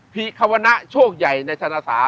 ภิควรณะโชคใหญ่ในชนศา